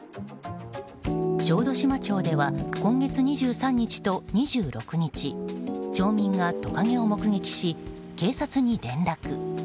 小豆島町では今月２３日と２６日町民がトカゲを目撃し警察に連絡。